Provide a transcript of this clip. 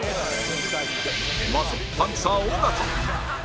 まずはパンサー尾形